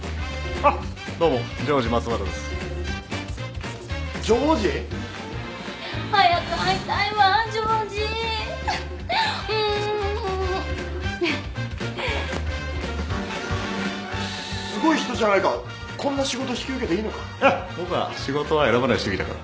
あっ僕は仕事は選ばない主義だから